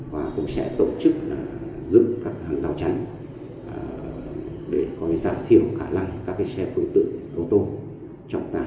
và cũng sẽ tổ chức là giữ các hàng giao tránh để có giải thiệu khả năng các cái xe phương tự